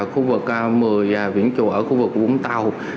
khu vực mười viễn chùa ở khu vực vũng tàu